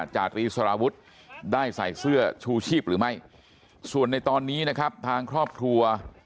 จาตรีสารวุฒิได้ใส่เสื้อชูชีพหรือไม่ส่วนในตอนนี้นะครับทางครอบครัว